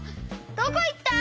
どこいった？